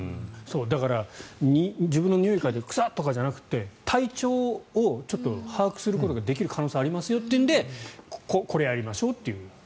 だから自分のにおいを嗅いで臭っ！とかじゃなくて体調を把握することができる可能性がありますよということでこれをやりましょうと。